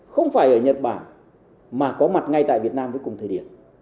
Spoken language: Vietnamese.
không phải ở nhật bản mà có mặt ngay tại việt nam với cùng thời điểm